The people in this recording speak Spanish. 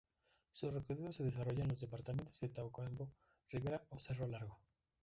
Su recorrido se desarrolla en los departamentos de Tacuarembó, Rivera y Cerro Largo.